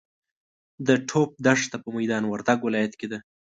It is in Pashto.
د ټوپ دښته په میدا وردګ ولایت کې ده.